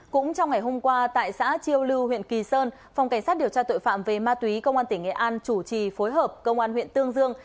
cũng trong ngày hôm qua tại xã chiêu lưu huyện kỳ sơn phòng cảnh sát điều tra tội phạm về ma túy công an tỉnh nghệ an chủ trì phối hợp công an huyện tương dương